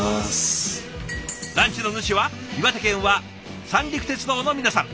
ランチの主は岩手県は三陸鉄道の皆さん。